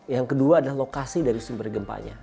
yang kedua adalah lokasi dari sumber gempanya